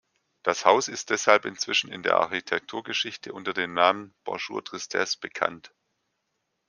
Das Haus ist deshalb inzwischen in der Architekturgeschichte unter dem Namen „Bonjour Tristesse“ bekannt.